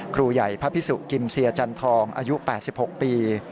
ครูใหญ่พระพิสุกิมเซียจันทองอายุ๘๖ปี